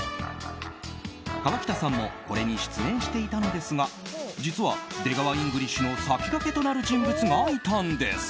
河北さんもこれに出演していたのですが実は、出川イングリッシュの先駆けとなる人物がいたんです。